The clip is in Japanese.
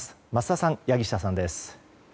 桝田さん、柳下さんです。